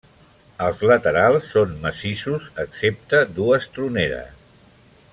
Els laterals són massissos, excepte dues troneres.